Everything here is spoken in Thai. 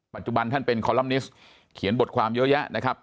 ปัจจุบันท่านเป็นคอลัมนิสต์เขียนบทความเยอะแยะนะครับ